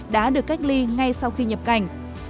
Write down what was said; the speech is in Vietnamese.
đã được cách ly ngay sau khi nhập cảnh